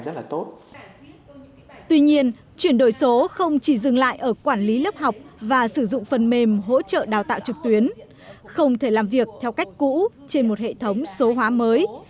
tuy nhiên chuyển đổi số không chỉ dừng lại ở quản lý lớp học và sử dụng phần mềm hỗ trợ đào tạo trực tuyến không thể làm việc theo cách cũ trên một hệ thống số hóa mới